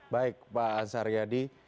baik pak ansari yadi